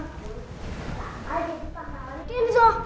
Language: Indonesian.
lama jadi paham dari kenzo